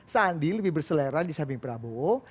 sandi lebih berselera di samping prabowo